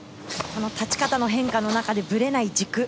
立ち方の変化の中でぶれない軸